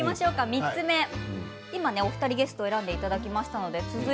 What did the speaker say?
３つ目、今お二人、ゲストに選んでいただきました。